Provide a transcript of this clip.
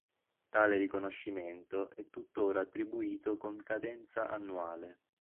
Tale riconoscimento è tuttora attribuito con cadenza annuale.